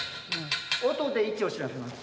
音で位置を知らせます。